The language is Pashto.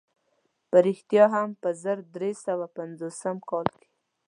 په رښتیا هم په زرو درې سوه پنځوسم کال کې.